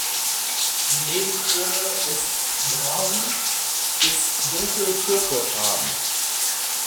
Die Nebenkrone ist braun bis dunkel purpurfarben.